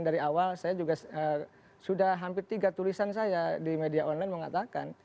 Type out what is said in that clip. dari awal saya juga sudah hampir tiga tulisan saya di media online mengatakan